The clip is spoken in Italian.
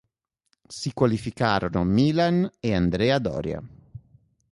Si qualificarono Milan e Andrea Doria.